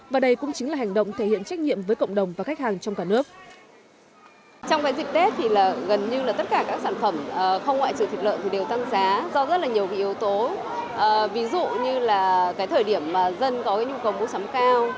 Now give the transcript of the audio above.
và đây cũng chính là hành động thể hiện trách nhiệm với cộng đồng và khách hàng trong cả nước